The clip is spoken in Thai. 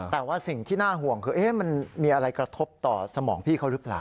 แต่ว่าสิ่งที่น่าห่วงคือมันมีอะไรกระทบต่อสมองพี่เขาหรือเปล่า